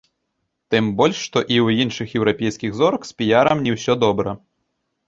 Тым больш, што і ў іншых еўрапейскіх зорак з піярам не ўсё добра.